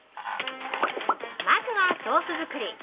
まずはソース作り！